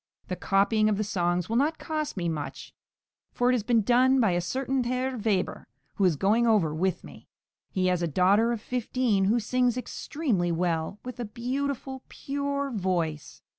The copying of the songs will not cost me much, for it has been done by a certain Herr Weber, who is going over with me. He has a daughter of fifteen, who sings extremely well, with a beautiful, pure voice.